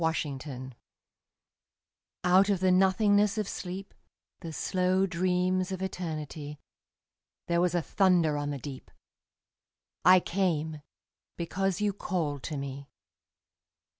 The Call Out of the nothingness of sleep, The slow dreams of Eternity, There was a thunder on the deep: I came, because you called to me.